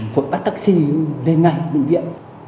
vội bắt taxi lên ngay bệnh viện